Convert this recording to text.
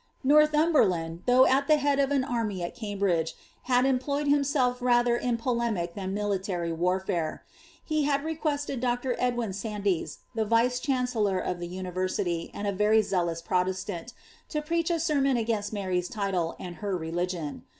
Northumberland, though at ihe head of an army at Cnmbridee, hail employed himtelf rather in polemic than military war^re. lie had requested Dr. Edwin Sandys,' the vice chancellor of ihe university, and ■ very zealous Proleslaut, to preach a sermon against Mary's title and her religion.